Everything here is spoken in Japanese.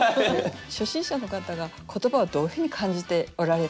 初心者の方が言葉をどういうふうに感じておられるのか。